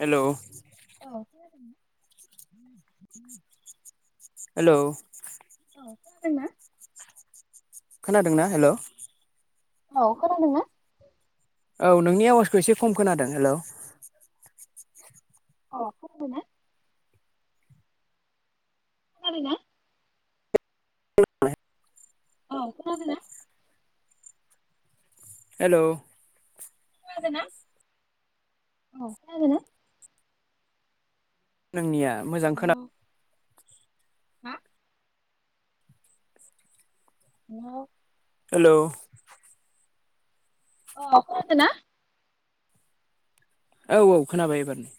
हेल'। औ। हेलौ। औ खोनादों ना? खोनादों ना हेल'? औ खोनादों ना? औ नोंनि आवाजखौ एसे खम खोनादों हेलौ। अ खोनादों ना? खोनादों ना? औ खोनादों ना? हेलौ। खोनादो ना औ खोनादो ना? नोंनिया मोजां हेलौ खोना हा? [unintelligible] हेलौ अ खोनादो ना? औ औ खोनाबाय एबारना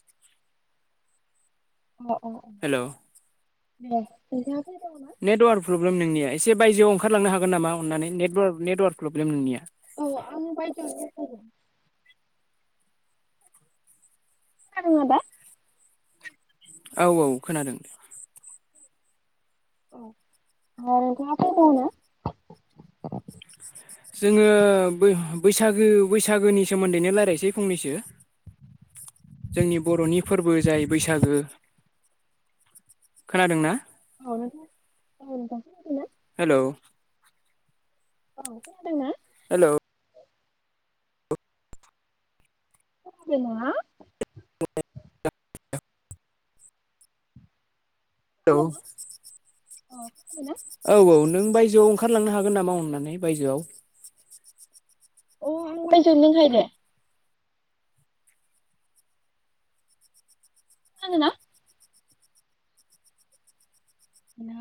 अ हेलौ अ [unintelligible] नेटवार्क प्रब्लेम नोंनिया एसे बायजोआव ओंखारलांनो हागोन नामा अननानै नेकवार्क नेटवार्क प्रब्लेम नोंनिया। औ आं बायजोआवनो दंखायो। खोनादों ना दा? औ औ खोनादों दे। [unintelligible] जोङो बै-बैसागो बैसागोनि सोमोन्दैनो लायरायसै फंनैसो। जोंनि बर'नि फोरबो जाय बैसागो खोनादों ना? हेलौ [unintelligible] [inaudible] औ खोनादोंना? हेलौ। गुबुनजों नङा? [inaudible] औ। खोनादोंना अ बिखौ मोना। औ औ नों बायजोआव ओंखारलांनो हागोन नामा अननानै बायजोआव। अ आं बायजोनिखाय दे। आङो ना? हेलौ